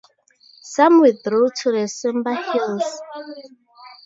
Some withdrew to the Simba Hills.